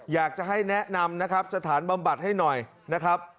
อยากจะให้แนะนำนะครับสถานบำบัดให้หน่อยนะครับ